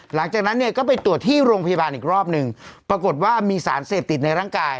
หลังจากนั้นเนี่ยก็ไปตรวจที่โรงพยาบาลอีกรอบหนึ่งปรากฏว่ามีสารเสพติดในร่างกาย